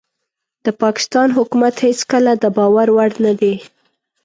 د پاکستان حکومت هيڅکله دباور وړ نه دي